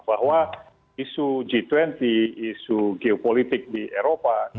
bahwa isu g dua puluh isu geopolitik di eropa